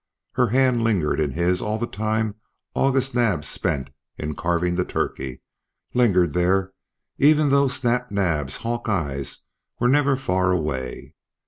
Her hand lingered in his all the time August Naab spent in carving the turkey lingered there even though Snap Naab's hawk eyes were never far away.